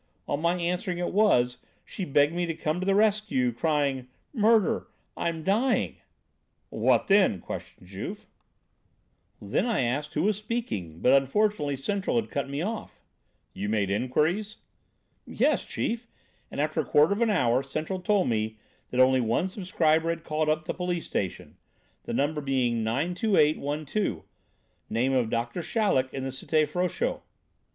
On my answering it was, she begged me to come to the rescue, crying, 'Murder! I'm dying!'" "What then?" questioned Juve. "Then I asked who was speaking, but unfortunately Central had cut me off." "You made inquiries?" "Yes, chief, and after a quarter of an hour Central told me that only one subscriber had called up the police station, the number being 928 12, name of Doctor Chaleck in the Cité Frochot."